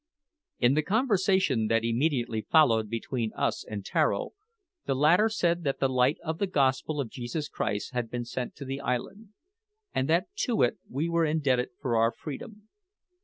In the conversation that immediately followed between us and Tararo, the latter said that the light of the Gospel of Jesus Christ had been sent to the island, and that to it we were indebted for our freedom.